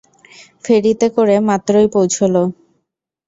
ফেরিতে করে মাত্রই পৌঁছল।